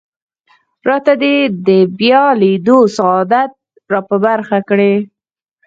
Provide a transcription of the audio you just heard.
راته دې د بیا لیدو سعادت را په برخه کړي.